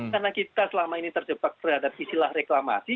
karena kita selama ini terjebak terhadap istilah reklamasi